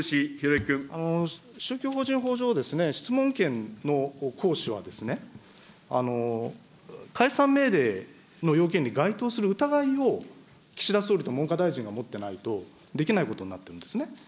宗教法人法上、質問権の行使は、解散命令の要件に該当する疑いを、岸田総理と文科大臣が持ってないと、できないことになっているんですね。